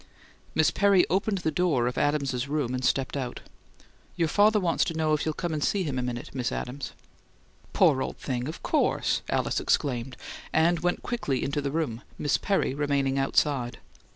Miss Perry opened the door of Adams's room and stepped out. "Your father wants to know if you'll come and see him a minute, Miss Adams." "Poor old thing! Of course!" Alice exclaimed, and went quickly into the room, Miss Perry remaining outside.